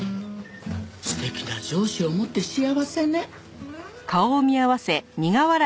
素敵な上司を持って幸せね。